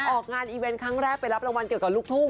ออกงานอีเวนต์ครั้งแรกไปรับรางวัลเกี่ยวกับลูกทุ่ง